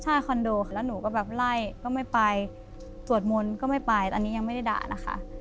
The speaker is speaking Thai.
ใช่คอนโดค่ะแล้วหนูก็แบบไล่ก็ไม่ไปสวดมนต์ก็ไม่ไปตอนนี้ยังไม่ได้ด่านะคะ